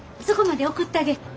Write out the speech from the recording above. そこまで送ったげ。